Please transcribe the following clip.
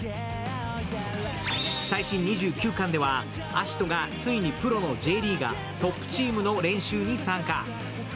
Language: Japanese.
最新２９巻では、アシトがついにプロのＪリーガー、トップチームの練習に参加。